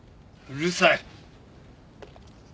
うるさい！